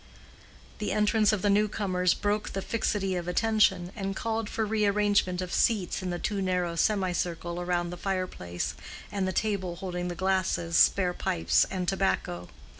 The entrance of the new comers broke the fixity of attention, and called for re arrangement of seats in the too narrow semicircle round the fire place and the table holding the glasses, spare pipes and tobacco.